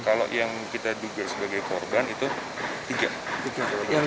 kalau yang kita duga sebagai korban itu tiga